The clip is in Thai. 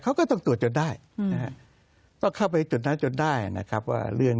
เขาก็ต้องตรวจจนได้นะฮะก็เข้าไปจุดนั้นจนได้นะครับว่าเรื่อง